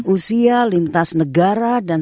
usia lintas negara dan